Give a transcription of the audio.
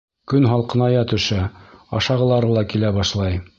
Көн һалҡыная төшә, ашағылары ла килә башлай.